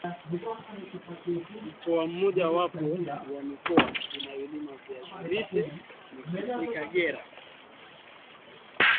Mkoa mmoja wapo wa mikoa inayolima viazi lishe ni Kagera